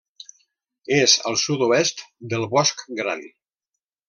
És al sud-oest del Bosc Gran.